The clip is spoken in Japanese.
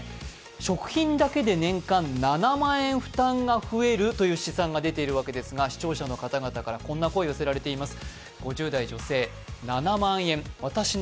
食品だけで年間７万円負担が増えるという試算ですが視聴者の方々から、こんな声寄せられています。